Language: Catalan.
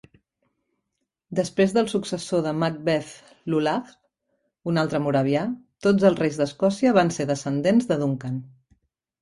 Després del successor de Macbeth Lulach, un altre moravià, Tots els reis d'Escòcia van ser descendents de Duncan.